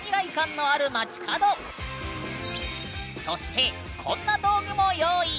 そしてこんな道具も用意！